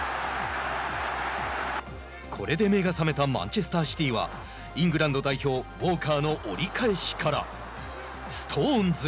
これで目が覚めたマンチェスターシティーはイングランド代表ウォーカーの折り返しからストーンズ。